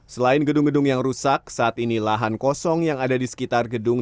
selain gedung gedung yang rusak saat ini lahan kosong yang ada di sekitar gedung